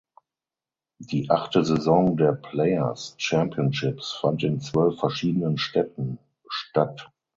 Die achte Saison der Players Championships fand in zwölf verschiedenen Städten statt.